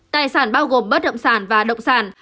tài sản bao gồm bất động sản và động sản